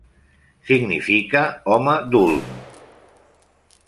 Significa "home d'Ulm".